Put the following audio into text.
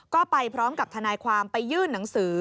ก็ไปพร้อมกับทนายความไปยื่นหนังสือ